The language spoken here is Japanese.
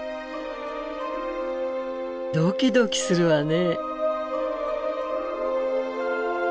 ドキドキするわね。